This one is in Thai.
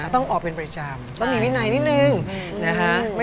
ต้องออกเป็นประจำ